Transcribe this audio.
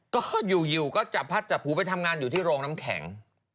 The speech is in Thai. ก็อยู่ก็จับพัดจับหูไปทำงานอยู่ที่โรงน้ำแข็ง